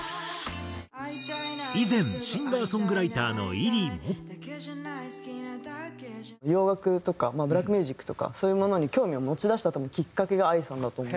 以前洋楽とかブラックミュージックとかそういうものに興味を持ちだしたきっかけがＡＩさんだと思う。